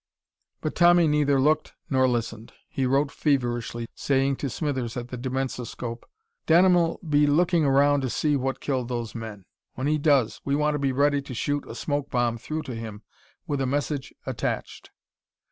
But Tommy neither looked nor listened. He wrote feverishly, saying to Smithers at the dimensoscope: "Denham'll be looking around to see what killed those men. When he does, we want to be ready to shoot a smoke bomb through to him, with a message attached."